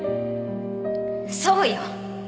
そうよ